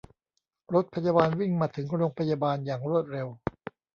รถพยาบาลวิ่งมาถึงโรงพยาบาลอย่างรวดเร็ว